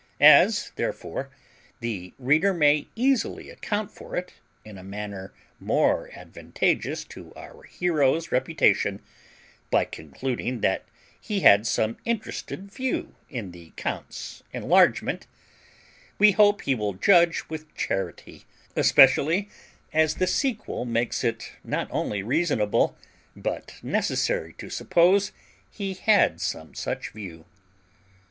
As, therefore, the reader may easily account for it in a manner more advantageous to our hero's reputation, by concluding that he had some interested view in the count's enlargement, we hope he will judge with charity, especially as the sequel makes it not only reasonable but necessary to suppose he had some such view.